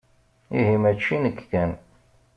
Ihi mačči nekk kan.